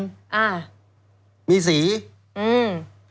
อ่ามีสีอืม